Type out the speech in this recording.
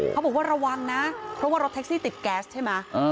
เขาบอกว่าระวังนะเพราะว่ารถแท็กซี่ติดแก๊สใช่ไหม